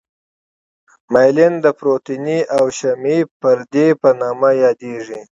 مایلین د پروتیني او شحمي پردې په نامه یادیږي.